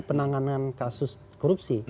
penanganan kasus korupsi